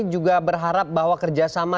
juga berharap bahwa kerjasama